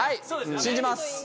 信じます。